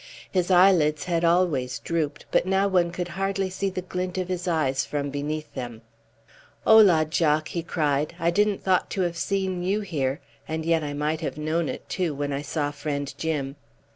His eyelids had always drooped, but now one could hardly see the glint of his eyes from beneath them. "Hola, Jock!" he cried. "I didn't thought to have seen you here, and yet I might have known it, too, when I saw friend Jim."